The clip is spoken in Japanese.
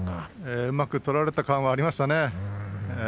うまく取られた感がありましたね。